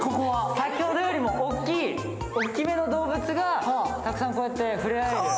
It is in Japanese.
先ほどよりも大きめの動物にたくさんこうやって触れ合える。